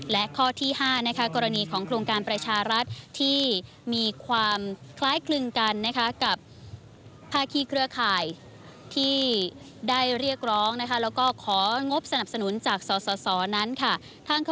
และข้อที่ห้านะคะกรณีของโครงการประชารัฐที่มีความคล้ายกลึงกันนะคะกับภาคีเครือข่ายที่ได้เรียกร้องนะคะ